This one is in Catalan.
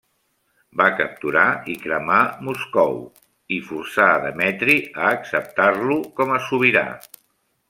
Va capturar i cremar Moscou, i forçà Demetri a acceptar-lo com a sobirà.